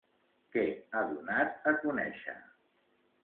Què ha donat a conèixer?